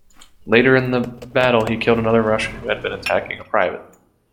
Later in the battle he killed another Russian who had been attacking a private.